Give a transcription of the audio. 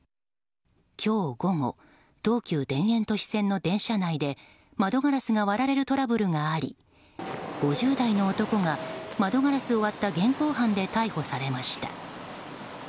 今日午後東急田園都市線の電車内で窓ガラスが割られるトラブルがあり５０代の男が窓ガラスを割った現行犯で逮捕されました。